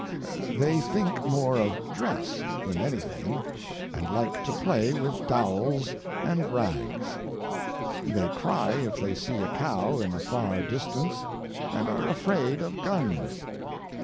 They think more of dress than anything and like to play with dowls and rags. They cry if they see a cow in a far distance and are afraid of guns.